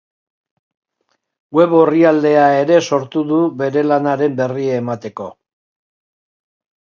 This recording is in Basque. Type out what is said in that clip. Web orrialdea ere sortu du bere lanaren berri emateko.